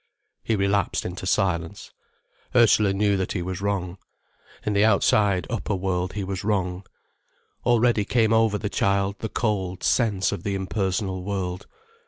He relapsed into silence. Ursula knew that he was wrong. In the outside, upper world, he was wrong. Already came over the child the cold sense of the impersonal world.